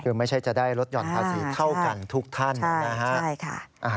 คือไม่ใช่จะได้ลดหย่อนภาษีเท่ากันทุกท่านนะฮะ